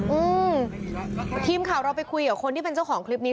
อืมทีมข่าวเราไปคุยกับคนที่เป็นเจ้าของคลิปนี้